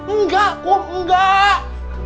enggak kum enggak